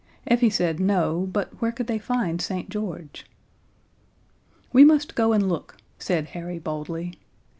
Effie said no, but where could they find St. George? "We must go and look," said Harry boldly.